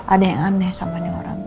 ada yang aneh sama ini orang